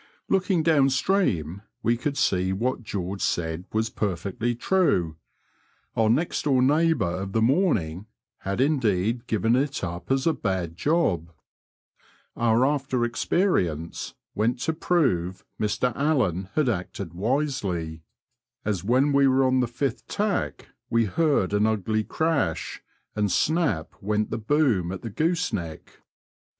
Looking down stream, we could see what George said was perfectly true ; our next door neighbour of the morning had indeed given it up as a bad job. Our after experience went to prove Mr Allen had acted wisely, as when we were Digitized by VjOOQIC POTTEB HEIGHAM TO ACLE. 103 on the fifth tack we heard an ugly crash, and snap went the boom at the goose neck.